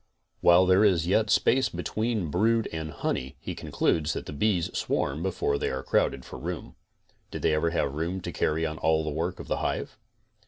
While there is yet space between brood and honey, he concludes that the bees swarm before they are crowded for room. Did they have room to carry on all the work of the hive?